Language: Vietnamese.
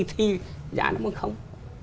thì giá nó mới không